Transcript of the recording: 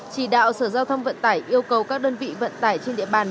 chỉ đạo sở giao thông vận tải yêu cầu các đơn vị vận tải trên địa bàn